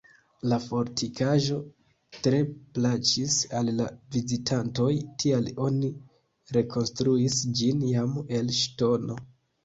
La fortikaĵo tre plaĉis al la vizitantoj, tial oni rekonstruis ĝin jam el ŝtono.